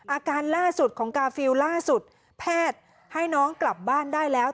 อาการล่าสุดของกาฟิลล่าสุดแพทย์ให้น้องกลับบ้านได้แล้ว